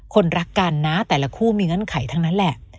คนรักกันนะแต่ละคู่มีเงื่อนไขทั้งนั้นแหละ